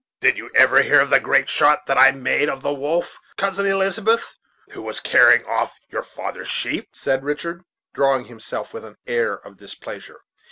"Did you ever hear of the great shot that I made at the wolf, Cousin Elizabeth, who was carrying off your father's sheep?" said Richard, drawing himself up with an air of displeasure.